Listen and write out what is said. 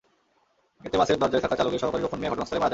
এতে বাসের দরজায় থাকা চালকের সহকারী রোকন মিয়া ঘটনাস্থলেই মারা যান।